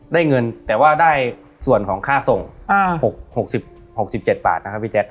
ได้เงินแต่ว่าได้ส่วนของค่าส่งอ่าหกสิบหกสิบเจ็ดบาทนะครับพี่แจ๊ก